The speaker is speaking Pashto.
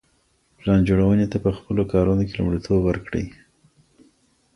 پلان جوړوني ته په خپلو کارونو کي لومړیتوب ورکړئ.